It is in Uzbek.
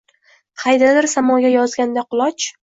Qaydadir samoga yozganda quloch –